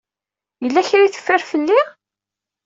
Yella kra ay teffer fell-i?